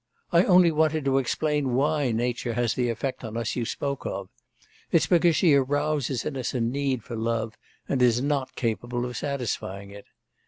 I only wanted to explain why nature has the effect on us you spoke of. It's because she arouses in us a need for love, and is not capable of satisfying it.